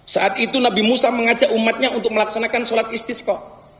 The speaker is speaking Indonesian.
saat itu nabi musa mengajak umatnya untuk melaksanakan sholat istiskoh